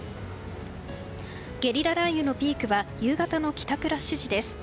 ゲリラ雷雨のピークは夕方の帰宅ラッシュ時です。